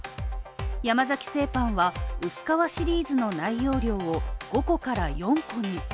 山崎製パンは、薄皮シリーズの内容量を５個から４個に。